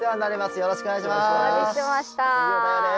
よろしくお願いします。